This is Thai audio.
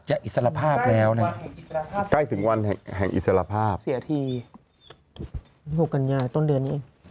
อิสรภาพแล้วนะใกล้ถึงวันแห่งอิสระภาพเสียที๖กันยาต้นเดือนนี้